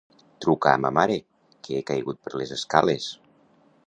Truca a ma mare, que he caigut per les escales.